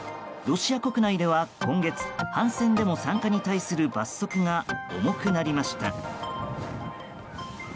ロシア国内では今月反戦デモ参加に対する罰則が重くなりました。